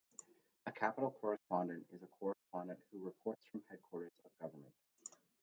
A capitol correspondent is a correspondent who reports from headquarters of government.